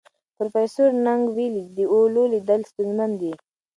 پروفیسور نګ منلې، د اولو لیدل ستونزمن دي.